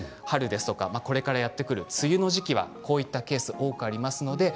春ですとか、これからやってくる梅雨の時期は、こういうケースがよくあります。